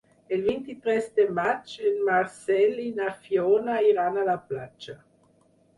El vint-i-tres de maig en Marcel i na Fiona iran a la platja.